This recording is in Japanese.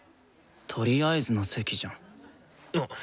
とりあえずの席じゃん。